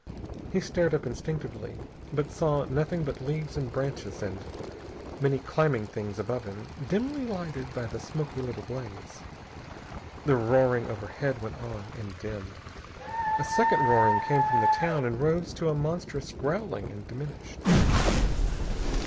He stared up instinctively, but saw nothing but leaves and branches and many climbing things above him, dimly lighted by the smoky little blaze. The roaring overhead went on, and dimmed. A second roaring came from the town and rose to a monstrous growling and diminished.